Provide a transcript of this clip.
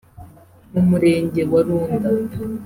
mu Murenge wa Runda